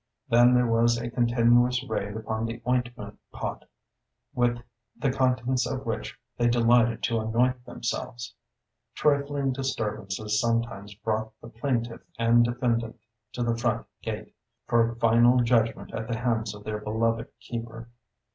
Then there was a continuous raid upon the ointment pot, with the contents of which they delighted to anoint themselves. Trifling disturbances sometimes brought the plaintiff and defendant to the front gate, for final judgment at the hands of their beloved keeper.